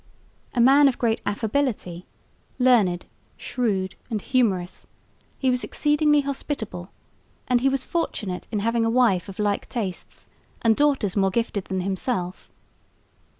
A man of great affability, learned, shrewd and humorous, he was exceedingly hospitable, and he was fortunate in having a wife of like tastes and daughters more gifted than himself.